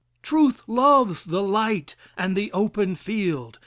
Truth loves the light and the open field.